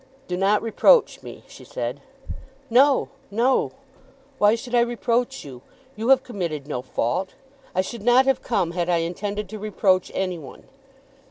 "Do not reproach me," she said. "No; no. Why should I reproach you? You have committed no fault. I should not have come had I intended to reproach any one."